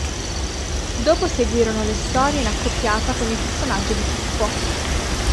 Dopo seguirono le storie in accoppiata con il personaggio di Pippo.